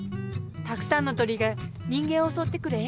たくさんの鳥が人間をおそってくるえ